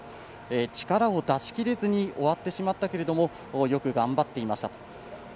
力を出しきれずに終わってしまったがよく頑張っていました。